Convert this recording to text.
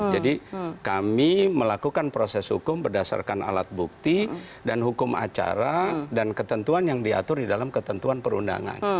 jadi kami melakukan proses hukum berdasarkan alat bukti dan hukum acara dan ketentuan yang diatur di dalam ketentuan perundangan